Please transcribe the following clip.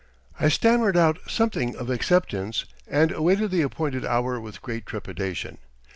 I stammered out something of acceptance and awaited the appointed hour with great trepidation.